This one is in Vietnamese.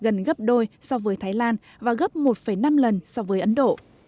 gần gấp đôi so với thái lan và gấp một năm lần so với ấn độ